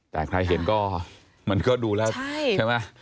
แต่ใครเห็นก็มันก็ดูแล้วใช่ไหม